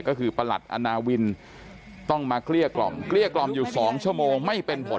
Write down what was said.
ก็คือประหลัดอนาวินต้องมาเกลี้ยกล่อมเกลี้ยกล่อมอยู่๒ชั่วโมงไม่เป็นผล